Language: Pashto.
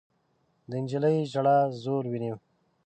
د نجلۍ ژړا زور ونيو.